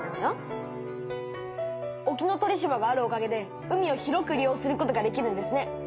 沖ノ鳥島があるおかげで海を広く利用することができるんですね。